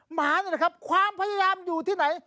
หมาเนี่ยนะครับความพยายามอยู่ที่ไหน